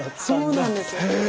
そうなんですよ。